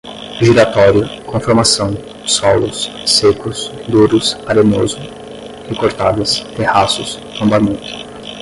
giratório, conformação, solos, secos, duros, arenoso, recortadas, terraços, tombamento